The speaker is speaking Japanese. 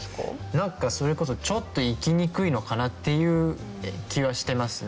なんかそれこそちょっと生きにくいのかなっていう気はしてますね。